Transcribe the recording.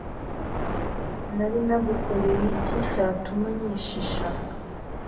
nari nagukoreye iki cyatuma unyishisha